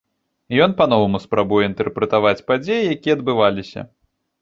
Ён па-новаму спрабуе інтэрпрэтаваць падзеі, якія адбываліся.